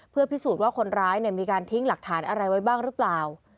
เพื่อพิสูจน์ว่าคนร้ายมีการทิ้งหลักฐานอะไรไว้บ้างหรือเปล่า